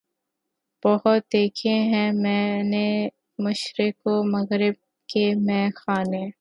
بہت دیکھے ہیں میں نے مشرق و مغرب کے مے خانے